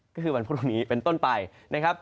ก็คือวันพรุ่งนี้เป็นต้นไปนะครับ